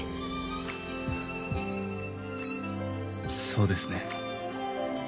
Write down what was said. そうですね。